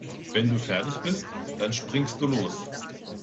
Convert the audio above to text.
Wenn du fertig bist, dann springst du los.